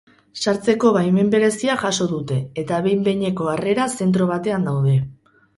Sartzeko baimen berezia jaso dute, eta behin behineko harrera zentro batean daude.